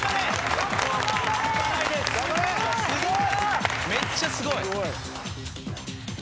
すごい！